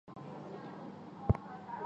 塞尔证明了这个定理的代数版本。